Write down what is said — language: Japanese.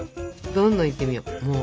どんどんいってみよう！